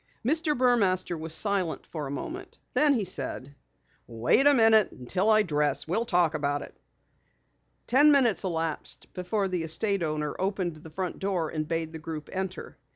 Mr. Burmaster was silent a moment. Then he said: "Wait a minute until I dress. We'll talk about it." Ten minutes elapsed before the estate owner opened the front door and bade the group enter.